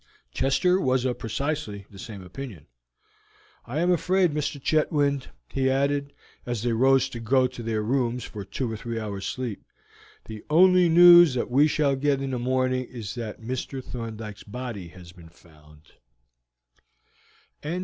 Chester was of precisely the same opinion. "I am afraid, Mr. Chetwynd," he added, as they rose to go to their rooms for two or three hours' sleep, "the only news that we shall get in the morning is that Mr. Thorndyke's body has been found."